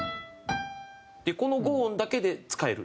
この５音だけで使える。